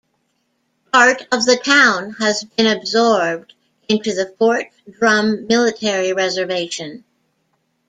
Part of the town has been absorbed into the Fort Drum Military Reservation.